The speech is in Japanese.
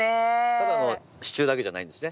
ただの支柱だけじゃないんですね。